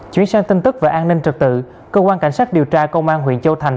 chuyển sang tin tức về an ninh trật tự cơ quan cảnh sát điều tra công an huyện châu thành